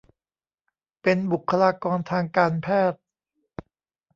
เป็นบุคลากรทางการแพทย์